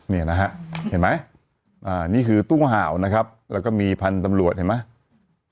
นี่นะฮะเห็นไหมนี่คือตู้ห่าวนะครับแล้วก็มีพันธุ์ตำรวจเห็นไหม